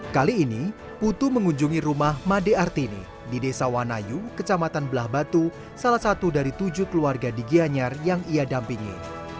kali ini putu mengunjungi rumah made artini di desa wanayu kecamatan belah batu salah satu dari tujuh keluarga di gianyar yang ia dampingi